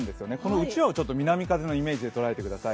うちわを南風のイメージで捉えてください。